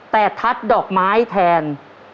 แต่ทัดดอกไม้แทน